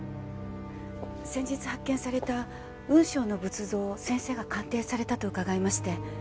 先日発見された雲尚の仏像を先生が鑑定されたと伺いまして。